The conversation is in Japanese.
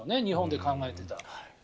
日本で考えると。